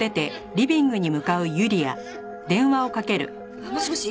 あっもしもし？